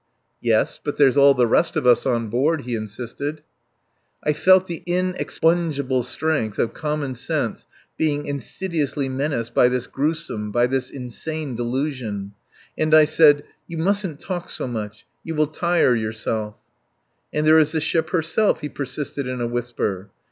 "Yes. But there's all the rest of us on board," he insisted. I felt the inexpugnable strength of common sense being insidiously menaced by this gruesome, by this insane, delusion. And I said: "You mustn't talk so much. You will tire yourself." "And there is the ship herself," he persisted in a whisper.